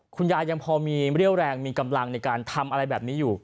ยังพอมีเรี่ยวแรงมีกำลังในการทำอะไรแบบนี้อยู่